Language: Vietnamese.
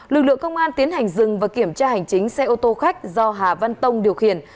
lực lượng công an tiến hành dừng và kiểm tra hành chính xe ô tô khách do hà văn tông điều khiển